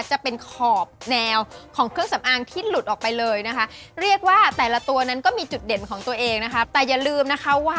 จะเป็นขอบแนวของเครื่องสำอางที่หลุดออกไปเลยนะคะ